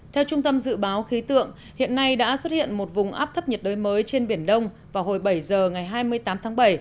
theo trung tâm dự báo khí tượng hiện nay đã xuất hiện một vùng áp thấp nhiệt đới mới trên biển đông vào hồi bảy giờ ngày hai mươi tám tháng bảy